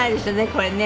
これね。